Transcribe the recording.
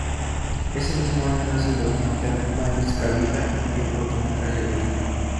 Este mismo año nace el documental "Máis ca vida" y el cortometraje "Vida".